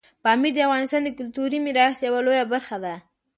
پامیر د افغانستان د کلتوري میراث یوه لویه برخه ده.